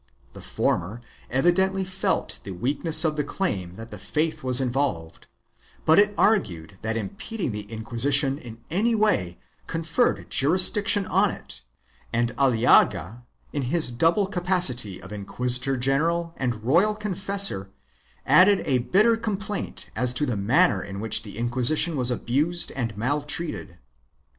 The former evidently felt the weakness of the claim that the faith, was involved, but it argued that impeding the Inquisition in any way conferred jurisdiction on it and Aliaga, in his double capacity of inquisitor general and royal confessor, added a bitter complaint as to the manner in which the Inquisition was abused and maltreated.